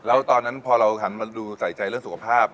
แล้วตอนนั้นพอเราหันมาดูใส่ใจเรื่องสุขภาพ